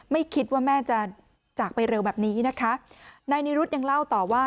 ไม่คิดว่าแม่จะจากไปเร็วแบบนี้นะคะนายนิรุธยังเล่าต่อว่า